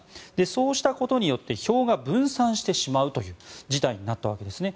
そうしたことによって票が分散してしまう事態になったんですね。